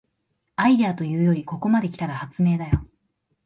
アイデアというよりここまで来たら発明だよ